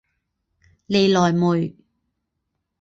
利莱梅。